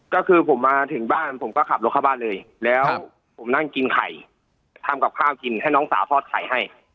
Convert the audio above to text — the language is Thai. ก็คือผมมาถึงบ้านผมก็ขับรถเข้าบ้านเลยแล้วผมนั่งกินไข่ทำกับข้าวกินให้น้องสาวทอดไข่ให้